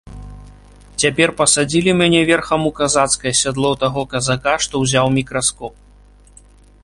Цяпер пасадзілі мяне верхам у казацкае сядло таго казака, што ўзяў мікраскоп.